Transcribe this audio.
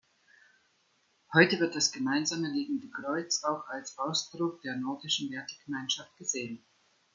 Heute wird das gemeinsame liegende Kreuz auch als Ausdruck der nordischen Wertegemeinschaft gesehen.